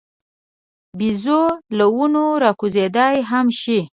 بیزو له ونو راکوزېدای هم شي.